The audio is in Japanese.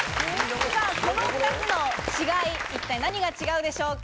この２つの違い、一体何が違うでしょうか？